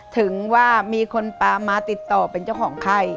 ถึงว่ามีคนปลามาติดต่อเป็นเจ้าของไข้